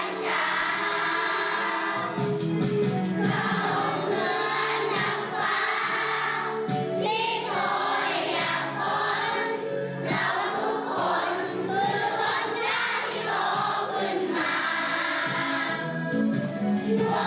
เราเหมือนนักฟ้าที่โดยอย่างคนเราทุกคนคือบรรยาที่โลกขึ้นมา